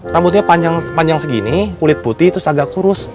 rambutnya panjang segini kulit putih terus agak kurus